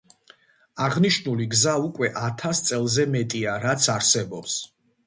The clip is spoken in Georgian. აღნიშნული გზა უკვე ათას წელზე მეტია რაც არსებობს.